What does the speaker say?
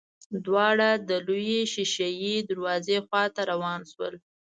دواړه د لويې ښېښه يي دروازې خواته روان شول.